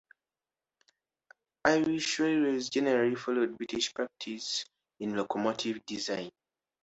Irish railways generally followed British practice in locomotive design.